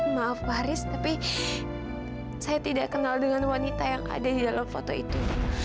maaf faris tapi saya tidak kenal dengan wanita yang ada di dalam foto itu